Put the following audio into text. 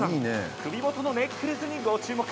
首元のネックレスに、ご注目。